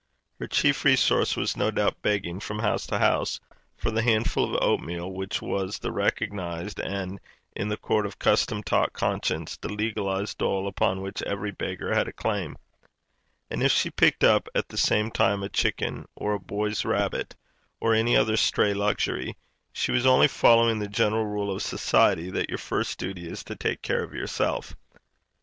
Her chief resource was no doubt begging from house to house for the handful of oatmeal which was the recognized, and, in the court of custom taught conscience, the legalized dole upon which every beggar had a claim; and if she picked up at the same time a chicken, or a boy's rabbit, or any other stray luxury, she was only following the general rule of society, that your first duty is to take care of yourself.